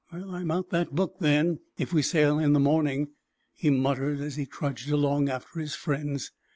"I'm out that book, then, if we sail in the morning," he muttered, as he trudged along after his friends.